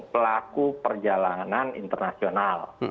pelaku perjalanan internasional